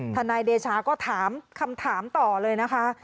นายเดชาก็ถามคำถามต่อเลยนะคะ